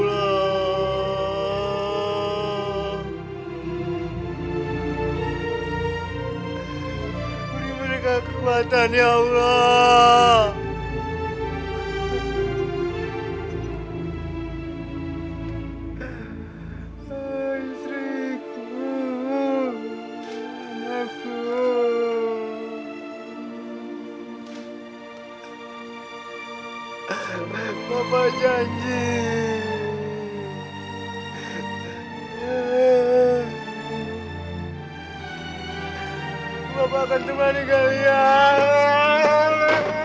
tapi kita masih punya allah yang maaflindung sayang